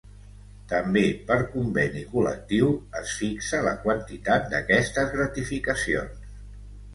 També per conveni col·lectiu es fixa la quantitat d'aquestes gratificacions.